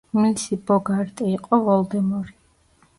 მისი ბოგარტი იყო ვოლდემორი.